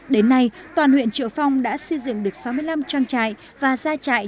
đến nay toàn huyện triệu phong đã xây dựng được sáu mươi năm trang trại và gia trại